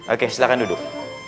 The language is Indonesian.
oke silakan duduk